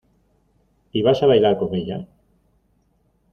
y vas a bailar con ella.